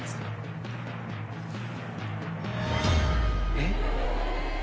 えっ？